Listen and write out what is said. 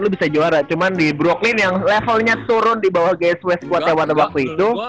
lu bisa juara cuman di brooklyn yang levelnya turun dibawah gsw squad yang waktu waktu itu